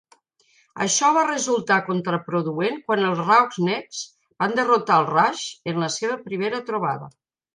Això va resultar contraproduent quan els Roughnecks van derrotar als Rush en la seva primera trobada.